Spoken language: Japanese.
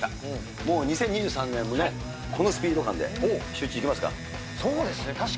もう２０２３年もね、このスピード感で、シューイチ、いきますか。